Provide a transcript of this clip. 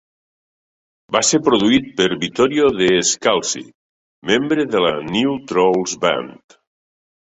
Va ser produït per Vittorio De Scalzi, membre de la New Trolls band.